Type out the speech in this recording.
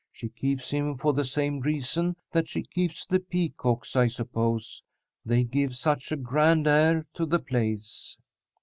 She keeps him for the same reason that she keeps the peacocks, I suppose. They give such a grand air to the place.